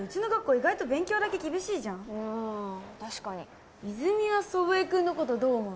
意外と勉強だけ厳しいじゃんあ確かに泉は祖父江君のことどう思う？